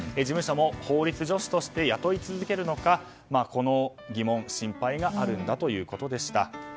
事務所も法律助手として雇い続けるのかこの疑問、心配があるんだということでした。